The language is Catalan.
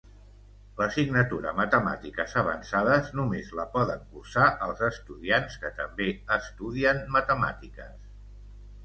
L'assignatura Matemàtiques avançades només la poden cursar els estudiants que també estudien Matemàtiques.